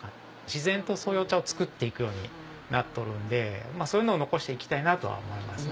自然とそういうお茶を作っていくようになっとるんでそういうのを残していきたいなとは思いますね。